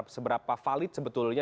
seberapa valid sebetulnya